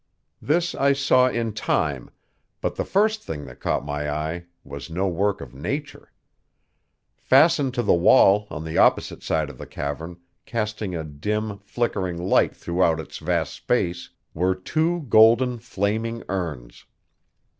This I saw in time, but the first thing that caught my eye was no work of nature. Fastened to the wall on the opposite side of the cavern, casting a dim, flickering light throughout its vast space, were two golden, flaming urns.